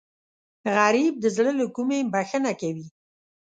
غریب د زړه له کومې بښنه کوي